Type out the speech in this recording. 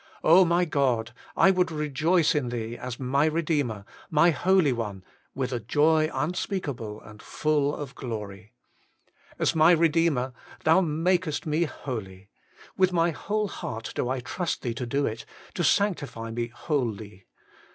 my God ! I would rejoice in Thee as my Eedeemer, MY HOLY ONE, with a joy unspeakable and full of glory. As my Kedeemer, Thou makest me holy. With my whole heart do I trust Thee to do it, to sanctify me wholly.